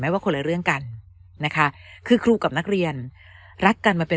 ว่าคนละเรื่องกันนะคะคือครูกับนักเรียนรักกันมาเป็น